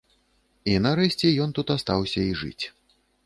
І нарэшце ён тут астаўся і жыць.